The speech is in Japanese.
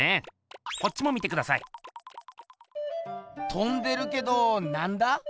とんでるけどなんだ？